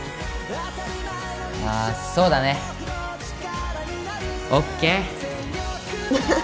あそうだねＯＫ！